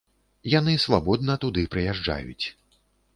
Яны свабодна туды прыязджаюць.